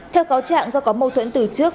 theo cáo trạng do có mâu thuẫn từ trước